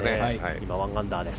今、１アンダーです。